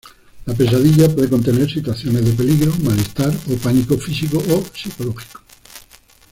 La pesadilla puede contener situaciones de peligro, malestar o pánico físico o psicológico.